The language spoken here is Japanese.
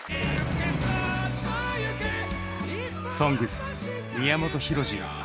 「ＳＯＮＧＳ」宮本浩次